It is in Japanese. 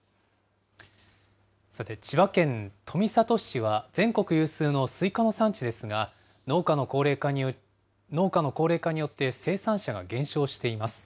さて、千葉県富里市は、全国有数のスイカの産地ですが、農家の高齢化によって、生産者が減少しています。